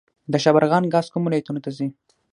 د شبرغان ګاز کومو ولایتونو ته ځي؟